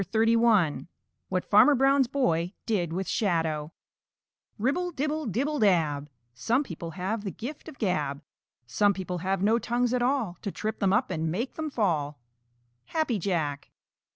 CHAPTER XXXI WHAT FARMER BROWN'S BOY DID WITH SHADOW Ribble, dibble, dibble, dab! Some people have the gift of gab! Some people have no tongues at all To trip them up and make them fall. _Happy Jack.